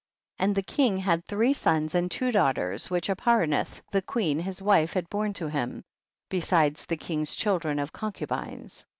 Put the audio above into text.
50. And the king had three sons and two daughters which Aparanith the queen his wife had borne to him, besides the king's children of concu bines.